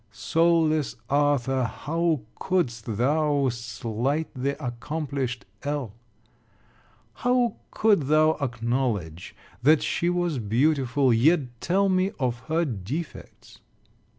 Soul less Arthur, how couldst thou slight the accomplished L ? How could thou acknowledge that she was beautiful, yet tell me of her defects?